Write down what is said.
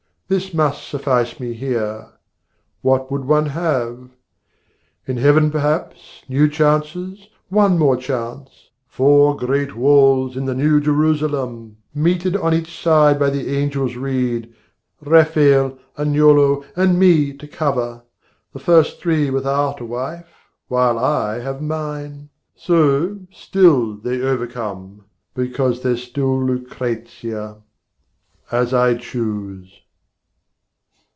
This must suffice me here. What would one have? In heaven, perhaps, new chances, one more chance Four great walls in the New Jerusalem, Meted on each side by the angel's reed, For Leonard, Rafael, Agnolo and me To cover the three first without a wife, While I have mine! So still they overcome Because there's still Lucrezia, as I choose.